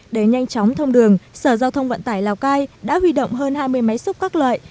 để nhanh chóng thông đường sở giao thông vận tải lào cai đã huy động hơn hai mươi máy xúc các loại